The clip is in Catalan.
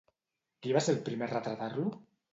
Qui va ser el primer a retratar-lo?